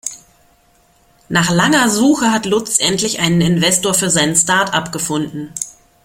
Nach langer Suche hat Lutz endlich einen Investor für sein Startup gefunden.